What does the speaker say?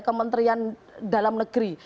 kementerian dalam negeri